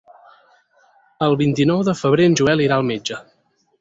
El vint-i-nou de febrer en Joel irà al metge.